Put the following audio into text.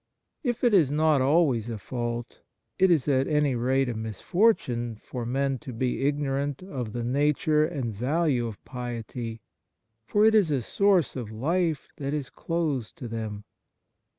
If it is not always a fault, it is at any rate a misfortune, for men to be ignorant of the nature and value of piety, for it is a source of life that is closed to them.